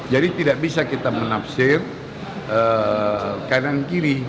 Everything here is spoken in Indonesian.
jadi tidak bisa kita menafsir kanan kiri